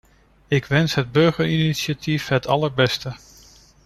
Ik wens het burgerinitiatief het allerbeste.